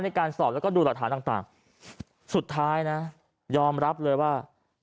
ในการสอบแล้วก็ดูหลักฐานต่างสุดท้ายนะยอมรับเลยว่า